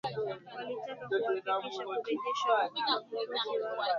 walitaka kuhakikishiwa kurejeshwa kwa viongozi wao